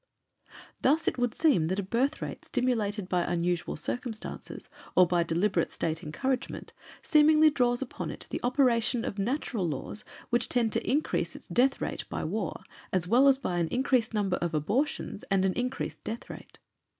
Thus, it would seem that a birth rate stimulated by unusual circumstances or by deliberate State encouragement, seemingly draws upon it the operation of natural laws which tend to increase its death rate by War, as well as by an increased number of abortions, and an increased death rate.